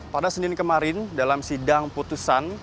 pada senin kemarin dalam sidang putusan